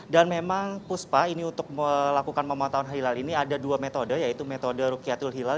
dan memang puspa untuk melakukan pemantauan hilal ini ada dua metode yaitu metode rukiatul hilal